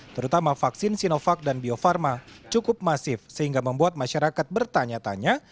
terutama vaksin sinovac dan bio farma cukup masif sehingga membuat masyarakat bertanya tanya